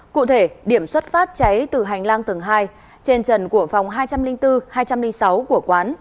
cụ thể điểm xuất phát cháy từ hành lang tầng hai trên trần của phòng hai trăm linh bốn hai trăm linh sáu của quán